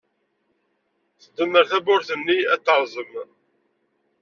Tdemmer tawwurt-nni, ad terẓem.